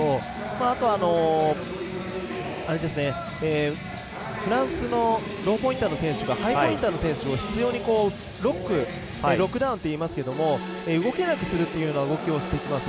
あとはフランスのローポインターの選手がハイポインターの選手を執ようにロックロックダウンっていいますが動けなくするという動きをしてきます。